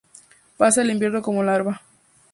Pasa el invierno como larva.